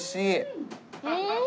うん！